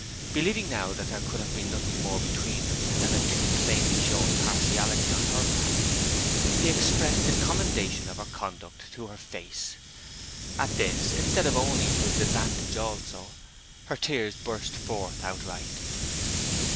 Believing now that there had been nothing more between them than a too plainly shown partiality on her part, he expressed his commendation of her conduct to her face. At this, instead of owning to its advantage also, her tears burst forth outright.